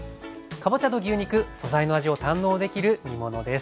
かぼちゃと牛肉素材の味を堪能できる煮物です。